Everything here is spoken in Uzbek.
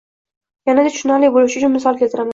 Yanada tushunarli bo‘lishi uchun misol keltiraman.